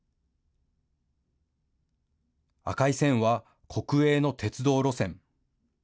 赤い線は国営の鉄道路線。